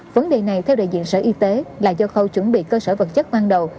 vấn đề này theo đại diện sở y tế là do khâu chuẩn bị cơ sở vật chất ban đầu